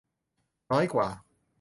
น้อยกว่า